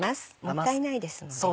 もったいないですものね。